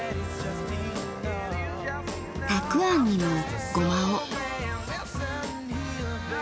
たくあんにもゴマを。